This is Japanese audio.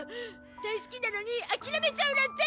大好きなのに諦めちゃうなんて！